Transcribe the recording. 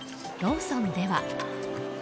ローソンでは。